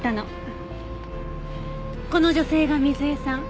この女性が水絵さん。